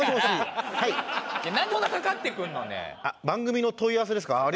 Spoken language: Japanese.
番組の問い合わせですか？